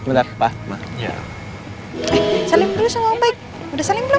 eh saling dulu semua baik udah saling belum